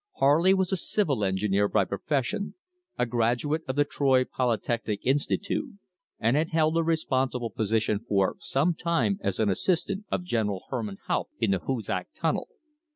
Harley was a civil engineer tyy profession, a graduate of the Troy Polytechnic Institute, and had held a responsible position for some time as an assist ant of General Herman Haupt in the Hoosac Tunnel.